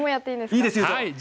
いいですよ。